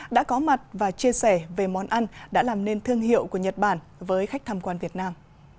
đã có mặt và chia sẻ về món ăn đã làm nên thương hiệu của nhật bản với khách tham quan việt nam